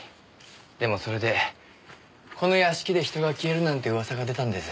でもそれでこの屋敷で人が消えるなんて噂が出たんです。